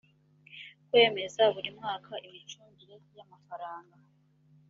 kwemeza buri mwaka imicungire y amafaranga